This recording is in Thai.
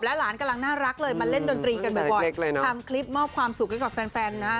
หลานกำลังน่ารักเลยมาเล่นดนตรีกันบ่อยทำคลิปมอบความสุขให้กับแฟนนะฮะ